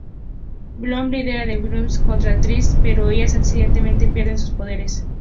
Bloom lidera a las Winx contra las Trix, pero ellas accidentalmente pierden sus poderes.